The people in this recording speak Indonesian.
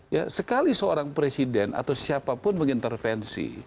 ya sekali seorang presiden atau siapapun mengintervensi